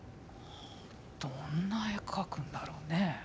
どんな絵描くんだろうね？